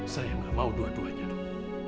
saya nggak mau dua duanya dok